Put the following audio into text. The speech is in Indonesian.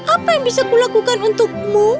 apa yang bisa kulakukan untukmu